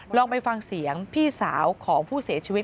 ลองไปฟังเสียงพี่สาวของผู้เสียชีวิต